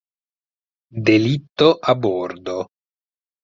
Delitto a bordo